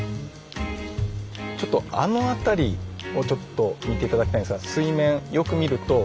あの辺りをちょっと見て頂きたいんですが水面よく見ると。